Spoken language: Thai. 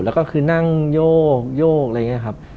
แล้วก็คือนั่งโยกโยกอะไรอย่างนี้ครับ